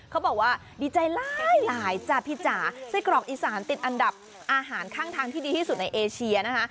เขาบอกว่าดีใจร้ายตายจ้ะพี่จ๋าไส้กรอกอีสานติดอันดับอาหารข้างทางที่ดีที่สุดในเอเชียนะคะ